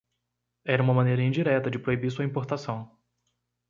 Era uma maneira indireta de proibir sua importação.